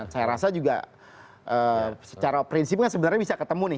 saya rasa juga secara prinsipnya sebenarnya bisa ketemu nih